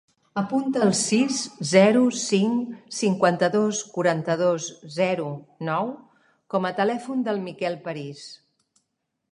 Apunta el sis, zero, cinc, cinquanta-dos, quaranta-dos, zero, nou com a telèfon del Miquel Paris.